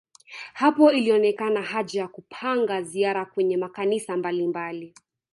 Hapo ilionekana haja ya kupanga ziara kwenye makanisa mbalimbali